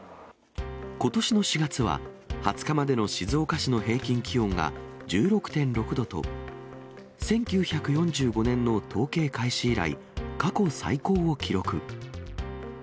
ことしの４月は、２０日までの静岡市の平均気温が１６．６度と、１９４５年の統計開始以来、過去最高を記録。